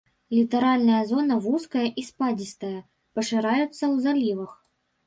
Літаральная зона вузкая і спадзістая, пашыраецца ў залівах.